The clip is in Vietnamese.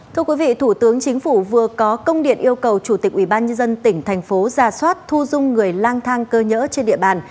thưa quý vị thủ tướng chính phủ vừa có công điện yêu cầu chủ tịch ubnd tỉnh thành phố ra soát thu dung người lang thang cơ nhỡ trên địa bàn